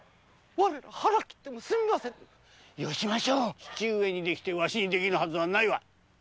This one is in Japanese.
義父上にできてわしにできぬはずはないわ！